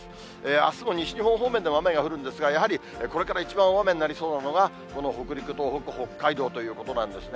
あすも西日本方面では雨が降るんですが、やはりこれから一番大雨になりそうなのが、この北陸、東北、北海道ということなんですね。